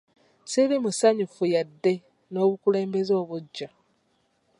Siri musanyufu yadde n'obukulembeze obuggya.